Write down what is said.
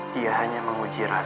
dia hanya menguji rasa